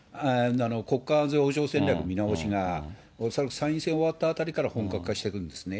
国家安全保障戦略の見直しが恐らく参院選終わったあたりから本格化してくるんですね。